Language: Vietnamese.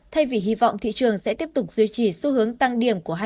thay vì hy vọng thị trường sẽ tiếp tục duy trì xu hướng tăng điểm của hai nghìn hai mươi ba